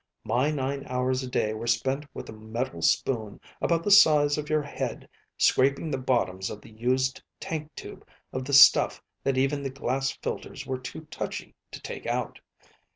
My nine hours a day were spent with a metal spoon about the size of your head scraping the bottoms of the used tank tube of the stuff that even the glass filters were too touchy to take out.